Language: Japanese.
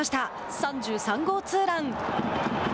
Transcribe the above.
３３号ツーラン。